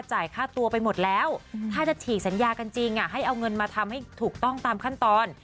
ค่าตัวไปหมดแล้วถ้าจะฉีกสัญญากันจริงให้เอาเงินมาทำให้ถูกต้องตามขั้นตอน